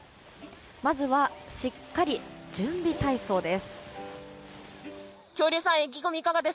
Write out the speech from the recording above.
まずは、しっかり準備体操です。